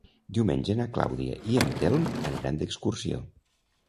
Diumenge na Clàudia i en Telm aniran d'excursió.